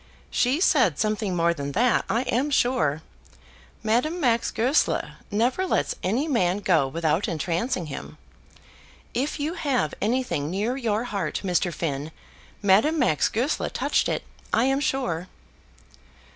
she said something more than that, I am sure. Madame Max Goesler never lets any man go without entrancing him. If you have anything near your heart, Mr. Finn, Madame Max Goesler touched it, I am sure."